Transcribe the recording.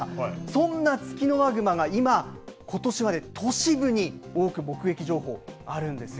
そんなツキノワグマが今、ことしはね、都市部に多く目撃情報あるんですよ。